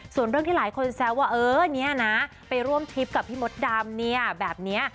ส่วนเรื่องที่หลายคนแซวว่าเออเนี่ยนะไปร่วมทริปกับพี่มดดำเนี่ยแบบนี้